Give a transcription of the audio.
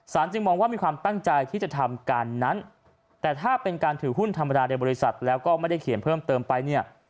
จึงมองว่ามีความตั้งใจที่จะทำการนั้นแต่ถ้าเป็นการถือหุ้นธรรมดาในบริษัทแล้วก็ไม่ได้เขียนเพิ่มเติมไปเนี่ย